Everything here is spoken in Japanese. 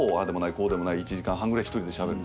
こうでもない１時間半くらい１人でしゃべる。